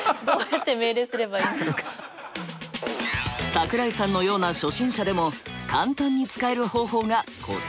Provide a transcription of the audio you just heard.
桜井さんのような初心者でも簡単に使える方法がこちら。